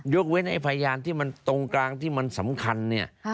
เว้นไอ้พยานที่มันตรงกลางที่มันสำคัญเนี่ย